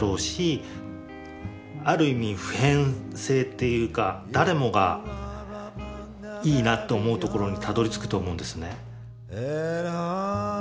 普遍性というか誰もがいいなと思うところにたどりつくと思うんですね。